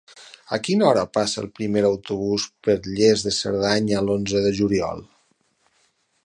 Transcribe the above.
A quina hora passa el primer autobús per Lles de Cerdanya l'onze de juliol?